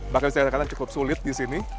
bahkan bisa dikatakan cukup sulit di sini